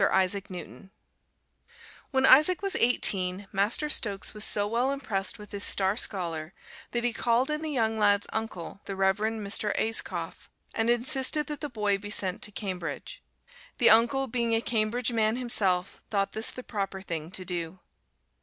When Isaac was eighteen, Master Stokes was so well impressed with his star scholar that he called in the young lad's uncle, the Reverend Mr. Ayscough, and insisted that the boy be sent to Cambridge. The uncle being a Cambridge man himself thought this the proper thing to do.